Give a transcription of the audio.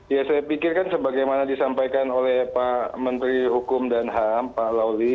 ya saya pikir kan sebagaimana disampaikan oleh pak menteri hukum dan ham pak lauli